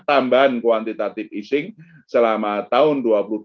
tambahan kuantitative easing selama tahun dua ribu dua puluh